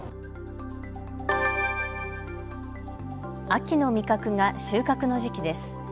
秋の味覚が収穫の時期です。